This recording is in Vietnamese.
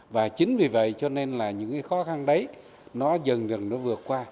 và chính vì vậy cho nên là những cái khó khăn đấy nó dần dần nó vượt qua